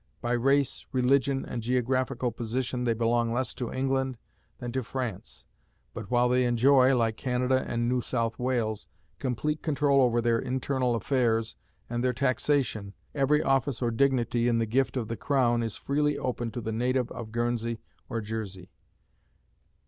By race, religion, and geographical position they belong less to England than to France; but, while they enjoy, like Canada and New South Wales, complete control over their internal affairs and their taxation, every office or dignity in the gift of the crown is freely open to the native of Guernsey or Jersey.